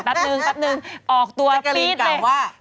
ปั๊บนึงออกตัวฟีตเลยแจ็กเกอรีนกลับว่า